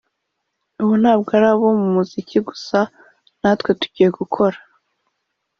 ubu ntabwo ari abo mu muziki gusa natwe tugiye gukora